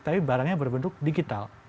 tapi barangnya berbentuk digital